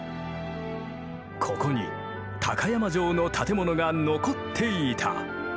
ここに高山城の建物が残っていた！